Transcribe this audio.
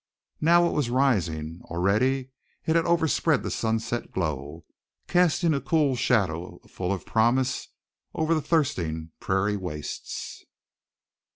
Now it was rising, already it had overspread the sunset glow, casting a cool shadow full of promise over the thirsting prairie wastes.